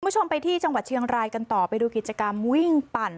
คุณผู้ชมไปที่จังหวัดเชียงรายกันต่อไปดูกิจกรรมวิ่งปั่น